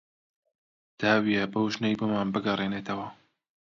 داویە بەو ژنە بۆمان بگەڕێنێتەوە